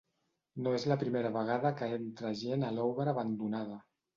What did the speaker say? No és la primera vegada que entra gent a l’obra abandonada.